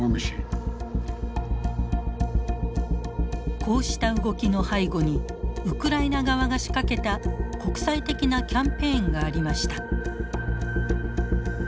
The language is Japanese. こうした動きの背後にウクライナ側が仕掛けた国際的なキャンペーンがありました。